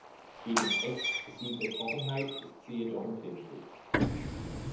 Gegen exzessive Trockenheit ist sie jedoch empfindlich.